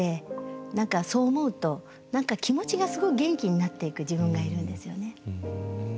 何かそう思うと何か気持ちがすごい元気になっていく自分がいるんですよね。